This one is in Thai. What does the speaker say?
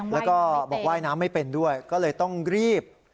แล้วก็บอกว่ายน้ำไม่เป็นด้วยก็เลยต้องรีบ